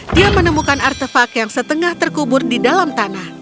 dia menemukan artefak yang setengah terkubur di dalam tanah